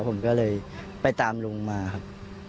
ผมก็เลยไปตามลุงมาครับ